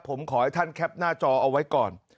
ผมขอให้ท่านแคปหน้าจอเอาไว้ก่อน